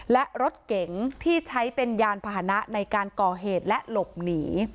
และรถเก๋งที่ใช้เป็นยานพาหนะในการก่อเหตุและหลบหนี